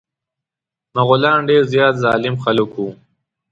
مغولان ډير زيات ظالم خلک وه.